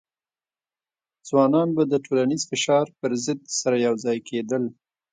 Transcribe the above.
ځوانان به د ټولنیز فشار پر ضد سره یوځای کېدل.